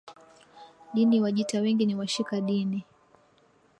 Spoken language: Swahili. Dini Wajita wengi ni washika dini